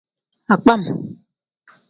Agbam.